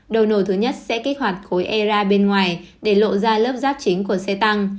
đầu nổ thứ nhất sẽ kích hoạt khối era bên ngoài để lộ ra lớp rác chính của xe tăng